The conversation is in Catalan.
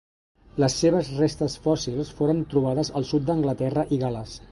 Les seves restes fòssils foren trobades al sud d'Anglaterra i Gal·les.